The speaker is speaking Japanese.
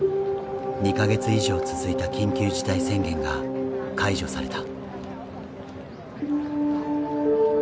２か月以上続いた緊急事態宣言が解除された。